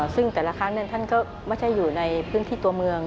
ซึ่งแต่ละครั้งท่านก็ไม่ใช่อยู่ในพื้นที่ตัวเมือง